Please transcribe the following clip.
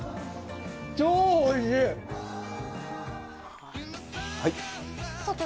超おいしい。